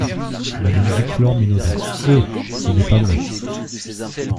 Madame Giclefort, minaudant. — Oh ! ce n’est pas moi !